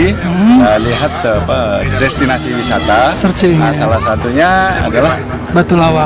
kita lihat destinasi wisata salah satunya adalah batu lawang